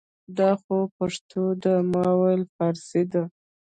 دا خو پښتو ده ما ویل فارسي ده